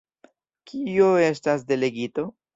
Kio estas delegito?